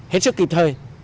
hết sức kịp thời